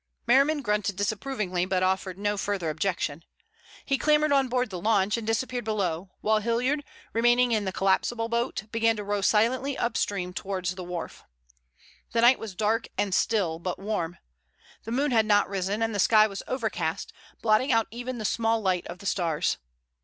Merriman grunted disapprovingly, but offered no further objection. He clambered on board the launch and disappeared below, while Hilliard, remaining in the collapsible boat, began to row silently up stream towards the wharf. The night was dark and still, but warm. The moon had not risen, and the sky was overcast, blotting out even the small light of the stars.